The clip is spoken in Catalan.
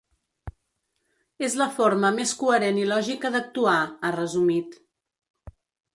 “És la forma més coherent i lògica d’actuar”, ha resumit.